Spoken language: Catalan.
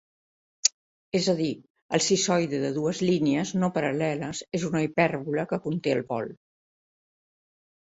És a dir, el cissoide de dues línies no paral·leles és una hipèrbola que conté el pol.